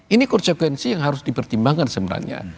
ini konsekuensi yang harus dipertimbangkan sebenarnya